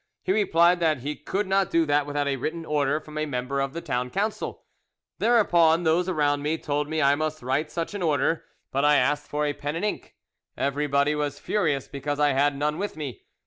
He replied that he could not do that without a written order from a member of the Town Council. Thereupon those around me told me I must write such an order, but I asked for a pen and ink; everybody was furious because I had none with me.